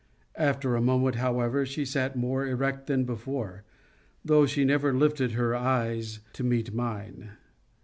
After a moment, however, she sat more erect than before, though she never lifted her eyes to meet mine.